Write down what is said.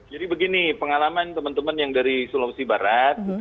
jadi begini pengalaman teman teman yang dari sulawesi barat